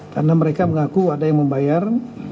karena mereka mengaku ada yang membayar